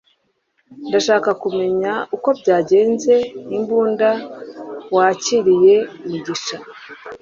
ndashaka kumenya uko byagenze imbunda wakiriye mugisha